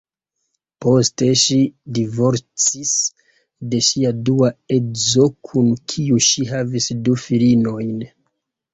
Poste ŝi divorcis de ŝia dua edzo, kun kiu ŝi havis du filinojn.